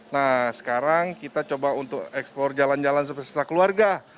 nah sekarang kita coba untuk eksplor jalan jalan seperti setelah keluarga